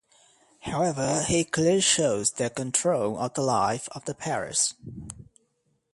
However, he clearly shows their control of the life of the parish.